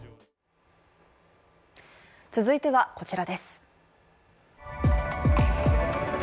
続いてはこちらです。